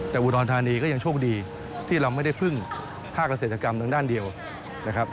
แต่อุดรธานีก็ยังโชคดีที่เราไม่ได้พึ่งภาคเกษตรกรรมทางด้านเดียวนะครับ